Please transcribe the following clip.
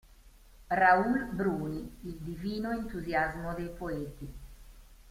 Raoul Bruni, "Il divino entusiasmo dei poeti.